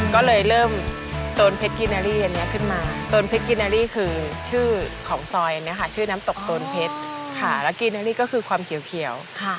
ก็เลยเริ่มโตนเพชรกินอรี่อันนี้ขึ้นมาโตนเพชรกินารี่คือชื่อของซอยเนี่ยค่ะชื่อน้ำตกโตนเพชรค่ะแล้วกินเนอรี่ก็คือความเขียว